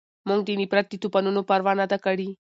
مونږ د نفرت د طوپانونو پروا نه ده کړې